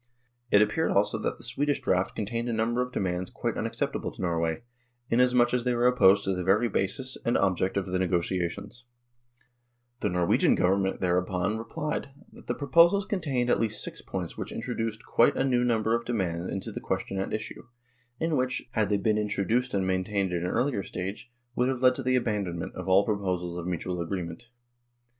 It appeared also that the Swedish draft contained a number of demands quite unacceptable to Norway, inasmuch as they were opposed to the very basis and object of the negotiations. QUESTION OF THE CONSULAR SERVICE 77 The Norwegian Government thereupon replied that the proposals contained at least six points which introduced quite a new number of demands into the question at issue, and which, had they been introduced and maintained at an earlier stage, would have led to the abandonment of all prospects of mutual agree ment."